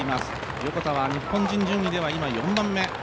横田は日本人順位では今、４番目。